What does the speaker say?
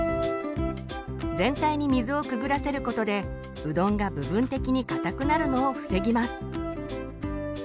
全体に水をくぐらせることでうどんが部分的にかたくなるのを防ぎます。